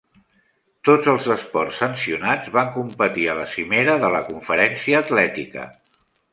Tots els esports sancionats van competir a la Cimera de la Conferència Atlètica.